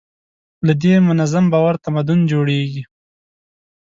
له دې منظم باور تمدن جوړېږي.